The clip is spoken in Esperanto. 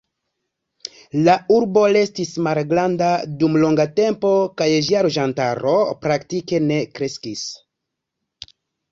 La urbo restis malgranda dum longa tempo kaj ĝia loĝantaro praktike ne kreskis.